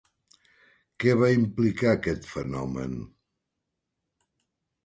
Què va implicar aquest fenomen?